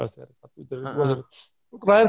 seri satu seri dua seri tiga